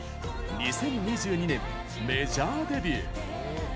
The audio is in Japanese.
２０２２年、メジャーデビュー！